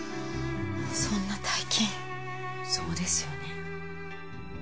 そんな大金そうですよね